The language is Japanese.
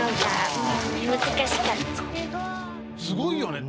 すごいよね。